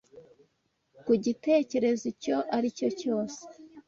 ku gitekerezo icyo ari cyo cyose